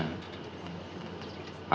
nanti akan dijawab oleh penyidiknya